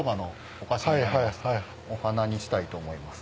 お花にしたいと思います。